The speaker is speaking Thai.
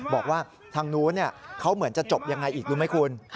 บอกว่าทางนู้นเขาเหมือนจะจบยังไงอีกรู้ไหมคุณ